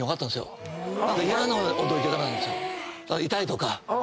痛いとか。